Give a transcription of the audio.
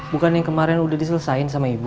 bukan yang kemarin udah diselesain sama ibu